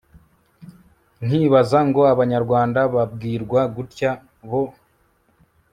nkibaza ngo abanyarwanda babwirwa gutya bo